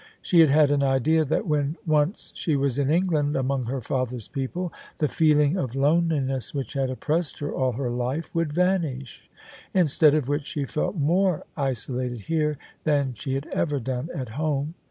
She had had an idea that when once she was in England among her father's people, the feeling of loneliness which had oppressed her all her life would vanish: instead of which she felt more isolated here than she had ever done at home.